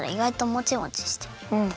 うん。